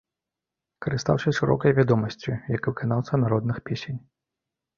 Карыстаўся шырокай вядомасцю як выканаўца народных песень.